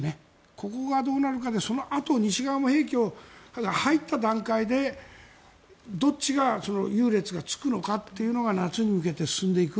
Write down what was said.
ここがどうなるかでそのあと、西側も兵器を入った段階で、どっちが優劣がつくのかというのが夏に向けて進んでいく。